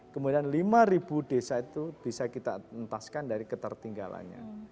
kemudian lima desa itu bisa kita entaskan dari ketertinggalannya